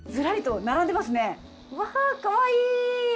わぁかわいい！